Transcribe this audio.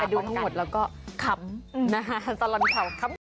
แต่ดูทั้งหมดเราก็ขำนะครับสรรค่ะ